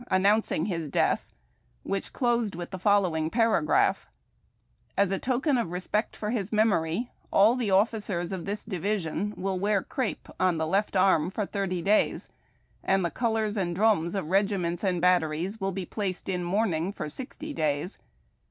announcing his cleatli, wliich closed with the following para graph :— "As a token of respect for his memory, all the officers of this division will wear crape on the left arm for thirty days, and the colors and drums of regiments and batteries will be placed in mourning for sixty days.